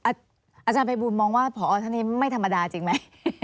อาจารย์ภัยบูลมองว่าพอท่านนี้ไม่ธรรมดาจริงไหม